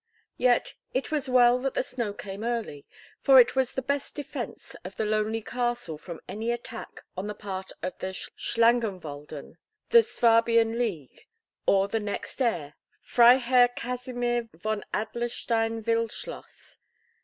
Yet it was well that the snow came early, for it was the best defence of the lonely castle from any attack on the part of the Schlangenwaldern, the Swabian League, or the next heir, Freiherr Kasimir von Adlerstein Wildschloss.